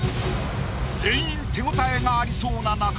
全員手応えがありそうななか